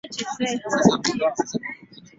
Hali hii imebadilika kwa kushirikisha wadau wote